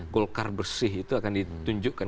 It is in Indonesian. golkar bersih itu akan ditunjukkan